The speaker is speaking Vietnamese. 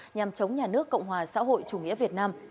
nhằm chống nhà nước cộng hòa xã hội chủ nghĩa việt nam